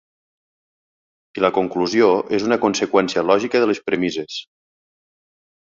I la conclusió és una conseqüència lògica de les premisses.